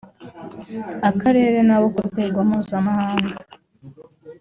akarere n’abo ku rwego mpuzamahanga